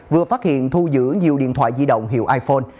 vừa phát hiện thu giữ nhiều điện thoại di động hiệu iphone